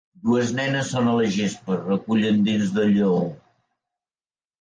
Dues nenes són a la gespa recullen dents de lleó.